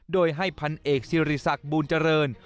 โดยให้พันเอกสิริษักบูลเจริญ